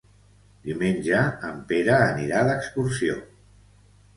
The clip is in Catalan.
Diumenge en Pere anirà d'excursió.